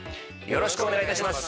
よろしくお願いします。